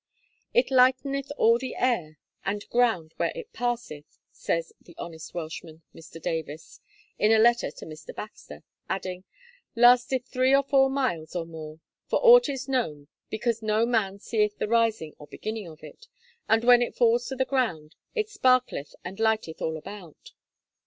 'It lighteneth all the air and ground where it passeth,' says 'the honest Welshman, Mr. Davis, in a letter to Mr. Baxter,' adding, 'lasteth three or four miles or more, for aught is known, because no man seeth the rising or beginning of it; and when it falls to the ground it sparkleth and lighteth all about.'